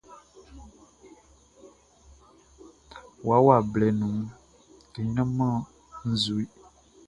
Wawa blɛ nunʼn, e ɲanman nʼzue.